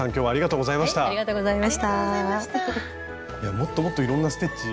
もっともっといろんなステッチも知りたいし。